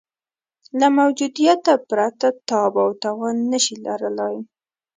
له موجودیته پرته تاب او توان نه شي لرلای.